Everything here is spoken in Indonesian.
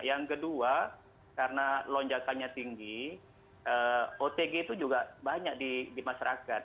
yang kedua karena lonjakannya tinggi otg itu juga banyak di masyarakat